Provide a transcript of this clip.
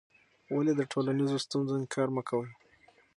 ولې د ټولنیزو ستونزو انکار مه کوې؟